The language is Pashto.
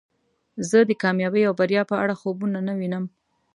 زه د کامیابۍ او بریا په اړه خوبونه نه وینم.